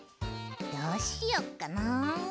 どうしよっかな。